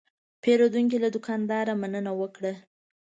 پیرودونکی له دوکاندار مننه وکړه.